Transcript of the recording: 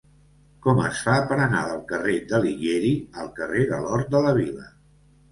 Com es fa per anar del carrer d'Alighieri al carrer de l'Hort de la Vila?